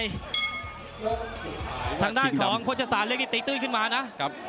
ยกสุดท้ายชิงดำทางด้านของควโจษยศาลเล็กที่ติ๊กตื๊กขึ้นมานะ